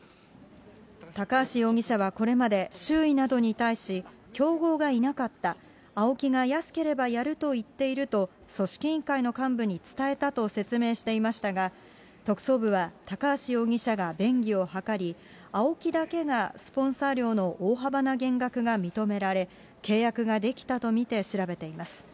高橋容疑者はこれまで、周囲などに対し、競合がいなかった、ＡＯＫＩが安ければやると言っていると、組織委員会の幹部に伝えたと説明していましたが、特捜部は、高橋容疑者が便宜を図り、ＡＯＫＩだけがスポンサー料の大幅な減額が認められ、契約ができたと見て調べています。